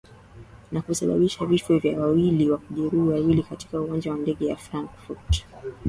na kusababisha vifo vya wawili na kuwajeruhi wawili katika uwanja wa ndege wa frankfrut